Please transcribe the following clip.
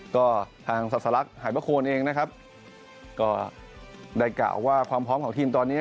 ก็ทางศาสลักหายประโคนเองนะครับก็ได้กล่าวว่าความพร้อมของทีมตอนนี้